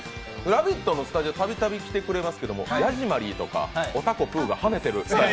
「ラヴィット！」のスタジオ、たびたび来てくれてますけどヤジマリーとかおたこぷーがはめてるから。